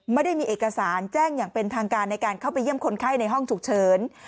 ไม่ได้มีเอกสารแจ้งอย่างเป็นทางการในการเข้าไปเยี่ยมคนไข้ในห้องฉุกเฉิน